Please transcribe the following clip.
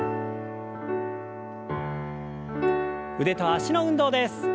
腕と脚の運動です。